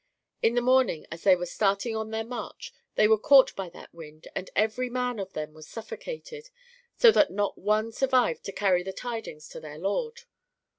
In the morning as they were starting on their march they were caught by that wind, and every man of them was suffocated, so that not one survived to carry the tidings to their Lord.